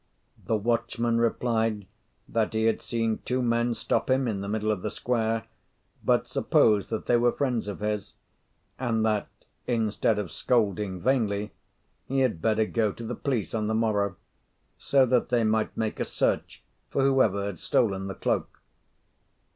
The watchman replied that he had seen two men stop him in the middle of the square, but supposed that they were friends of his; and that, instead of scolding vainly, he had better go to the police on the morrow, so that they might make a search for whoever had stolen the cloak.